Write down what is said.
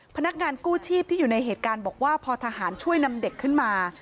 พนักงานกู้ชีพที่อยู่ในเหตุการณ์บอกว่าพอทหารช่วยนำเด็กขึ้นมา